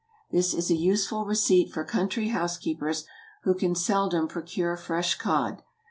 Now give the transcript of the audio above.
This is a useful receipt for country housekeepers who can seldom procure fresh cod.